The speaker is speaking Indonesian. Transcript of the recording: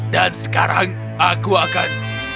dan sekarang aku akan